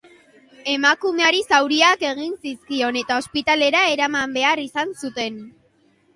Emakumeari zauriak egin zizkion eta ospitalera eraman behar izan zuten.